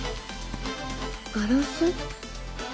ガラス？